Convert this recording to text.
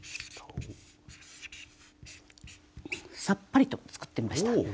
さっぱりと作ってみました。